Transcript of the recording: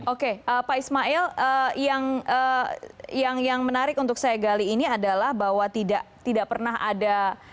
oke pak ismail yang menarik untuk saya gali ini adalah bahwa tidak pernah ada